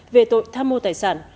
về tội tham mô tài sản